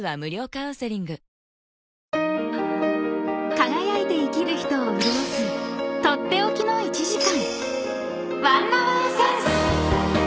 ［輝いて生きる人を潤す取って置きの１時間］